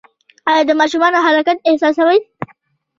ایا د ماشوم حرکت احساسوئ؟